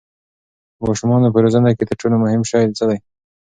د ماشومانو په روزنه کې تر ټولو مهم شی څه دی؟